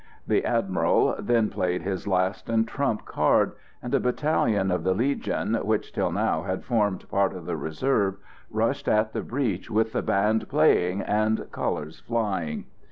The Admiral then played his last and trump card, and a battalion of the Legion, which till now had formed part of the reserve, rushed at the breach with the band playing and colours flying.